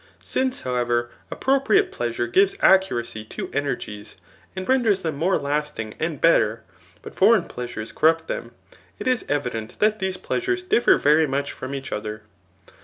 Since, however, appropriate pleasure gives accuracy to energies^ and renders them more lasting and better, but foreign pleasures corrupt them, it is evident that these pleasures cMer very much from each other.